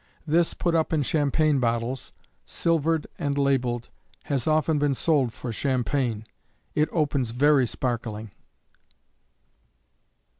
This, put up in champagne bottles, silvered and labeled, has often been sold for Champagne. It opens very sparkling.